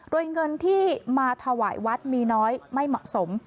โดยเงินที่มาถวายวัดมีน้อยไม่เหมาะสม